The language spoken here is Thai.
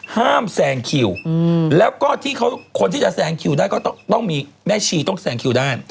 แซงคิวแล้วก็ที่คนที่จะแซงคิวได้ก็ต้องมีแม่ชีต้องแซงคิวได้